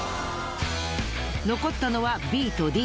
残ったのはＢとＤ。